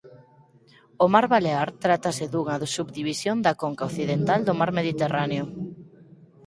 O mar Balear trátase dunha subdivisión da conca occidental do mar Mediterráneo.